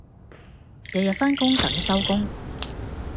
日日返工等收工